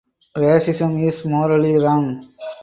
Racism is morally wrong.